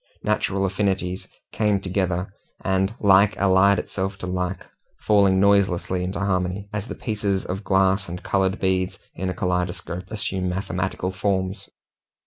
Natural affinities came together, and like allied itself to like, falling noiselessly into harmony, as the pieces of glass and coloured beads in a kaleidoscope assume mathematical forms.